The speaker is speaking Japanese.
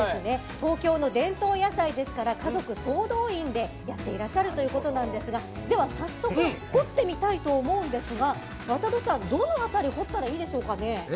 東京の伝統野菜ですから家族総動員でやっていらっしゃるということですが早速、掘ってみたいと思うんですが渡戸さん、どの辺りを掘ったらいいでしょうかね。